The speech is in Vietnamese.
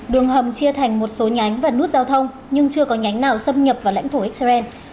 đường hầm chia thành một số nhánh và nút giao thông nhưng chưa có nhánh nào xâm nhập vào lãnh thổ israel